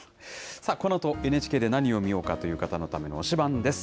このあと、ＮＨＫで何を見ようかという方のための推しバン！です。